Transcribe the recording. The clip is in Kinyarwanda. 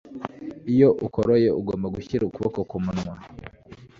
iyo ukoroye ugomba gushyira ukuboko kumunwa